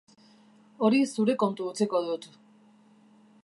Hori zure kontu utziko dut.